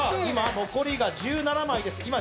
今残りが１７枚です